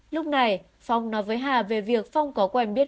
lúc này phong nói với hà về việc phong có quen biết